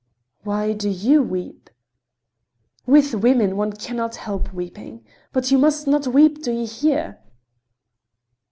"Why do you weep?" "With women one cannot help weeping. But you must not weep, do you hear?"